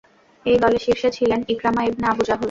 এই দলের শীর্ষে ছিলেন ইকরামা ইবনে আবু জাহল।